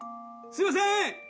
すいません！